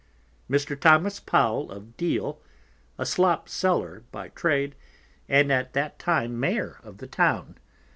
Mr. Thomas Powell, of Deal, a Slop Seller by Trade, and at that time Mayor of the Town.